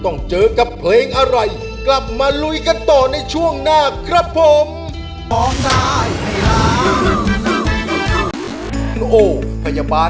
โอเคอะ